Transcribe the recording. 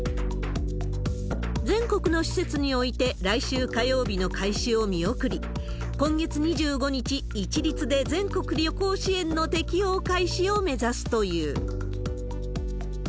全国の施設において、来週火曜日の開始を見送り、今月２５日、一律で全国旅行支援の適用開始を目指すという。